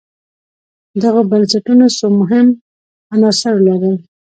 دغو بنسټونو څو مهم عناصر لرل